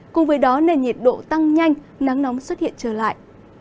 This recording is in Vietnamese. cùng với đó nền nhiệt độ tăng nhanh nắng nóng xuất hiện trở lại